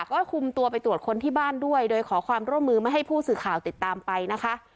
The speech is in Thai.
ก็คุมตัวไปตรวจคนที่บ้านด้วยโดยขอความร่วมมือไม่ให้ผู้สื่อข่าวติดตามไปนะคะ